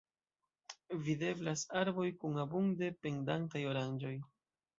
Videblas arboj kun abunde pendantaj oranĝoj.